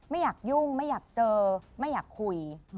ไม่อยากยุ่งไม่อยากเจอไม่อยากคุย